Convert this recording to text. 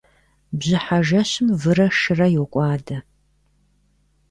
Бжьыхьэ жэщым вырэ шырэ йокӀуадэ.